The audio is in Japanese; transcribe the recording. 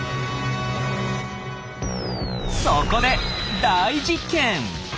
そこで大実験！